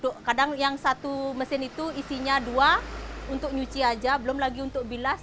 kadang yang satu mesin itu isinya dua untuk nyuci aja belum lagi untuk bilas